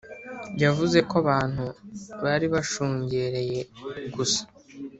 yavuze ko abantu bari bashungereyegusa